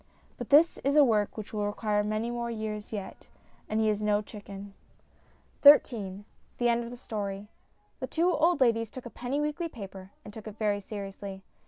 But this is a work which will require many more years yet, and he is no chicken. XIII THE END OF THE STORY THE two old ladies took a penny weekly paper, and took it very seriously.